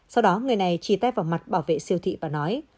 sau đó người này chỉ tay vào mặt bảo vệ siêu thị và nói